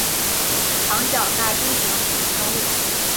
长角大锹形虫生物。